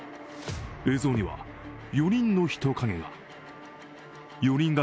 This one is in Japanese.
映像には４人の人影が。